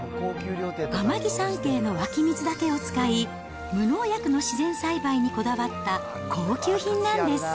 天城山系の湧き水だけを使い、無農薬の自然栽培にこだわった高級品なんです。